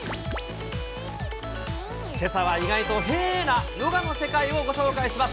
けさは意外とへえーなヨガの世界をご紹介します。